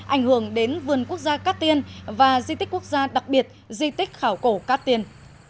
ảnh hưởng đến vườn quốc gia cát tiên và di tích quốc gia đặc biệt di tích khảo cổ cát tiên